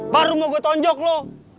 baru mau gue tonjok loh